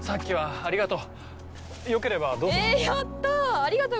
あありがとう。